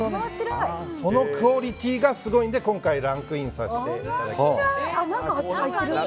そのクオリティーがすごいんで今回ランクインさせていただきました。